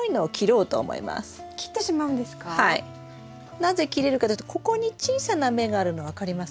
なぜ切れるかというとここに小さな芽があるの分かりますか？